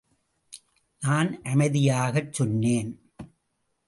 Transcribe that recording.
நான் அமைதியாகச் சொன்னேன்.